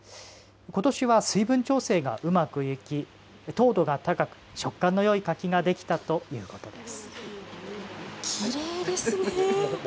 ことしは水分調整がうまくいき糖度が高く食感のよい柿ができたということです。